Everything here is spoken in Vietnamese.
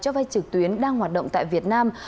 cho vay trực tuyến đang hoạt động tại việt nam